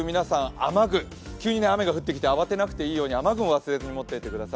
雨具、急に雨が降ってきて慌てなくていいように雨具を持っていってください。